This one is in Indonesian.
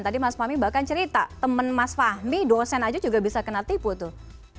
tadi mas fahmi bahkan cerita teman mas fahmi dosen aja juga bisa kena tipu tuh